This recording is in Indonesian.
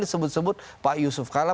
disebut sebut pak yusuf kala